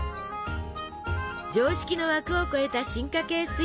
常識の枠を超えた進化系スイーツ。